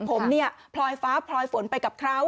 ผมเนี่ยพลอยฟ้าพลอยฝนไปกับเขา